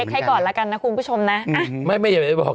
เช็คให้ก่อนแล้วกันนะคุณผู้ชมน่ะอ่ะไม่ไม่อย่าไปบอก